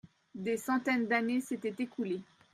Des centaines d’années s’étaient écoulées.